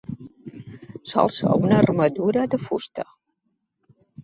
Sol ser una armadura de fusta.